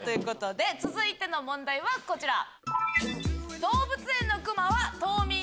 続いての問題はこちら。